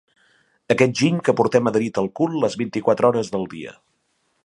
Aquest giny que portem adherit al cul les vint-i-quatre hores del dia.